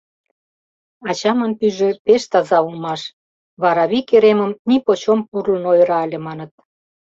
Ачамын пӱйжӧ пеш таза улмаш: варавий керемым нипочем пурлын ойыра ыле, маныт.